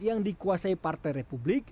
yang dikuasai partai republik